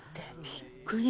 びっくり。